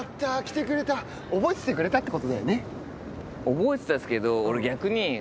覚えてたっすけど俺。